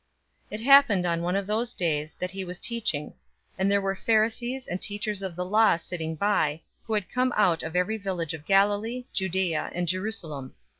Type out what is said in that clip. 005:017 It happened on one of those days, that he was teaching; and there were Pharisees and teachers of the law sitting by, who had come out of every village of Galilee, Judea, and Jerusalem.